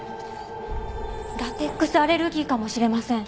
ラテックスアレルギーかもしれません。